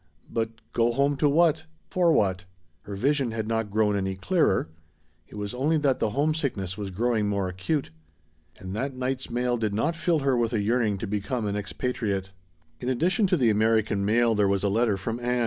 But go home to what? For what? Her vision had not grown any clearer. It was only that the "homesickness" was growing more acute. And that night's mail did not fill her with a yearning to become an expatriate. In addition to the "American mail" there was a letter from Ann.